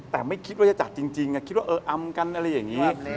แต่ไม่คิดว่าจะจัดจริงคิดว่าเอออำกันอะไรอย่างนี้